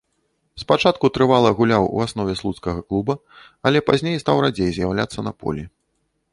Спачатку трывала гуляў у аснове слуцкага клуба, але пазней стаў радзей з'яўляцца на полі.